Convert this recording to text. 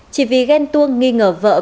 chỉ vì ghen tuông nghi ngờ vợ còn